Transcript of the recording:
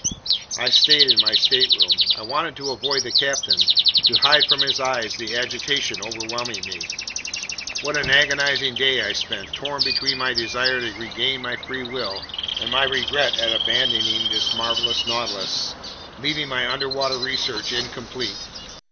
I stayed in my stateroom. I wanted to avoid the captain, to hide from his eyes the agitation overwhelming me. What an agonizing day I spent, torn between my desire to regain my free will and my regret at abandoning this marvelous Nautilus, leaving my underwater research incomplete!